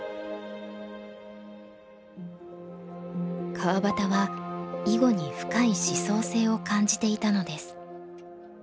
川端は囲碁に深い思想性を感じていたのです。